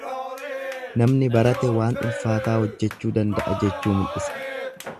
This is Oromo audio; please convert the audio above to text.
Namni barate waan ulfaataa hojjechuu danda'a jechuu mil'isa.